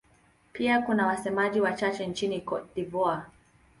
Pia kuna wasemaji wachache nchini Cote d'Ivoire.